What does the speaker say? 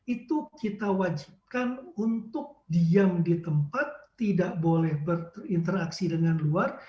itu kita wajibkan untuk diam di tempat tidak boleh berinteraksi dengan luar